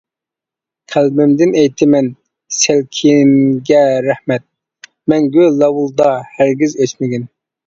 قەلبىمدىن ئېيتىمەن سەلكىنگە رەھمەت، مەڭگۈ لاۋۇلدا ھەرگىز ئۆچمىگىن.